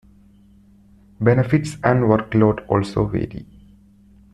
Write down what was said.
Benefits and workload also vary.